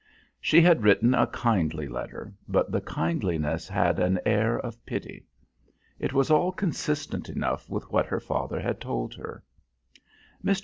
She had written a kindly letter, but the kindliness had an air of pity. It was all consistent enough with what her father had told her. Mr.